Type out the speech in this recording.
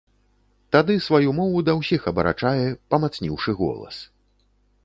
Тады сваю мову да ўсіх абарачае, памацніўшы голас.